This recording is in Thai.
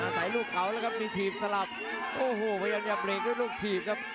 ใส่ลูกเขาแล้วครับมีถีบสลับโอ้โหพยายามจะเบรกด้วยลูกถีบครับ